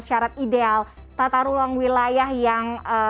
syarat ideal tata ruang wilayah yang